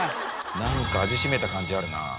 なんか味占めた感じあるな。